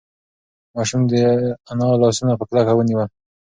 ماشوم د انا لاسونه په کلکه ونیول.